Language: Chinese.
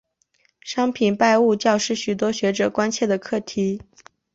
商品拜物教是许多学者关切的课题。